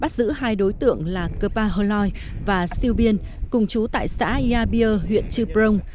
bắt giữ hai đối tượng là kepa hloi và siêu biên cùng chú tại xã yabir huyện chư prong